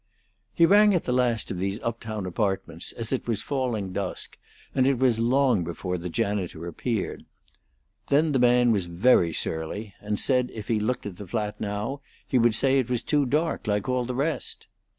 He rang at the last of these up town apartments as it was falling dusk, and it was long before the janitor appeared. Then the man was very surly, and said if he looked at the flat now he would say it was too dark, like all the rest.